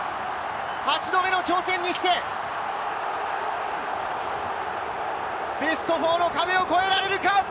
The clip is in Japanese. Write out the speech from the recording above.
８度目の挑戦にして、ベスト４の壁を越えられるか？